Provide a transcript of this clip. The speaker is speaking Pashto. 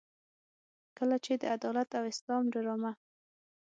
کله چې د عدالت او اسلام ډرامه.